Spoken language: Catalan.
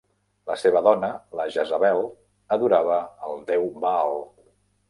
La seva dona, la Jezabel adorava el déu Baal.